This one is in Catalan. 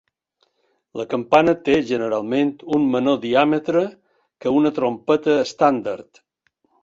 La campana té generalment un menor diàmetre que una trompeta estàndard.